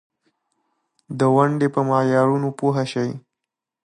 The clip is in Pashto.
پخواني تمدنونه لکه په کامبودیا کې د انګکور تمدن و.